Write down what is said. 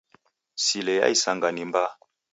Sile ya isanga ni mbaa